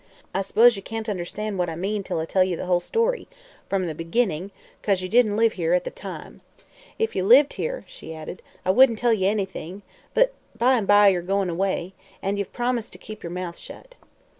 "I s'pose ye can't understand what I mean till I tell ye the whole story, from the beginning 'cause ye didn't live here at the time. If ye lived here," she added, "I wouldn't tell ye anything, but by 'n' by yer goin' away. An' ye've promised to keep yer mouth shut."